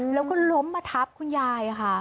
แล้วก็ล้มมาทับคุณยายค่ะ